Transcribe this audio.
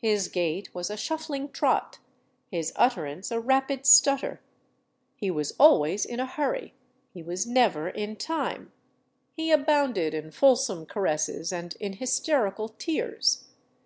His gait was a shuffling trot, his utterance a rapid stutter. He was always in a hurry he was never in time; he abounded in fulsome caresses and in hysterical tears.